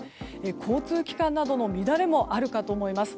交通機関などの乱れもあるかと思います。